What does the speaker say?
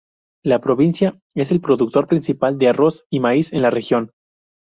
La provincia es el productor principal de arroz y maíz en la región.